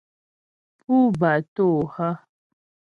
Pú batô hə́ ?